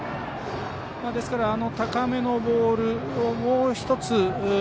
ですから高めのボールをもう１つ。